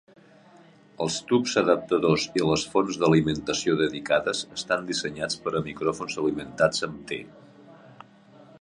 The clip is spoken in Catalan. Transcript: Els tubs adaptadors i les fonts d'alimentació dedicades estan dissenyats per a micròfons alimentats amb T.